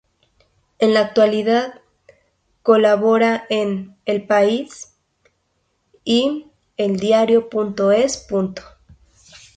En la actualidad, colabora en "El País" y eldiario.es.